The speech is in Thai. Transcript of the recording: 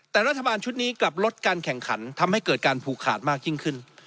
แต่รัฐบาลชุดนี้กลับลดการแข่งขันทำให้เกิดการผูกขาดมากยิ่งขึ้น